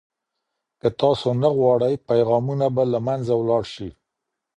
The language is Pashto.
که تاسو نه غواړئ، پیغامونه به له منځه ولاړ شي.